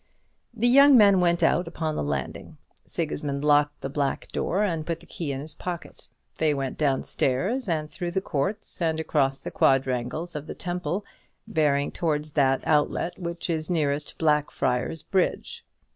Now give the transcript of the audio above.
The young men went out upon the landing. Sigismund locked the black door and put the key in his pocket. They went down stairs, and through the courts, and across the quadrangles of the Temple, bearing towards that outlet which is nearest Blackfriars Bridge.